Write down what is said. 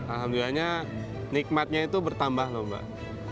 alhamdulillahnya nikmatnya itu bertambah loh mbak